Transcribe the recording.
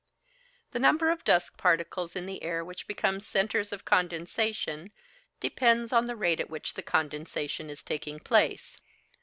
The number of dust particles in the air which become centres of condensation depends on the rate at which the condensation is taking place.